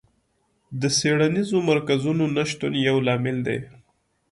د څېړنیزو مرکزونو نشتون یو لامل دی.